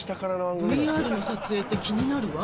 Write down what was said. ＶＲの撮影って気になるわ。